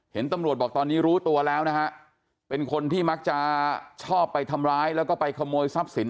ตำรวจบอกตอนนี้รู้ตัวแล้วนะฮะเป็นคนที่มักจะชอบไปทำร้ายแล้วก็ไปขโมยทรัพย์สิน